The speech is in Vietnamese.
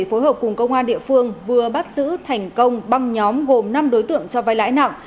phối hợp cùng công an địa phương vừa bắt giữ thành công băng nhóm gồm năm đối tượng cho vai lãi nặng